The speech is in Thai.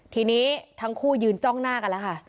ทีนี้ทั้งคู่ยืนจ้องหน้ากันแล้วค่ะ